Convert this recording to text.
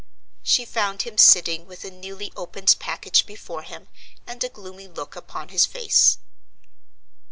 She found him sitting with a newly opened package before him, and a gloomy look upon his face.